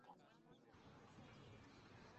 অভিধান খুলে একটা শব্দ খুঁজে বের করা খুব কঠিন কাজ নয়।